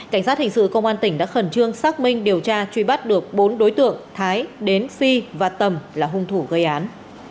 cảnh sát hình sự công an tỉnh đã khẩn trương xác minh điều tra truy bắt được bốn đối tượng thái đến phi và tầm là hung thủ gây án